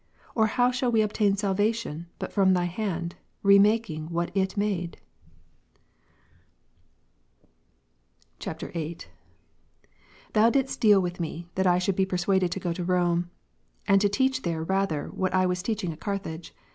Or how shall we obtain salvation, but from Thy hand, re making what It made ? [VIII.] 14. Thou didst deal with me, that I should be persuaded to go to Rome, and to teach there rather, what I was teaching at Carthage.